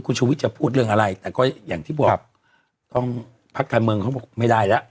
คือจะพูดเรื่องอะไรแต่ก็อย่างที่บอกต้องพักไทยเมืองเขาบอกไม่ได้ละ